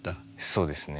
そうですね。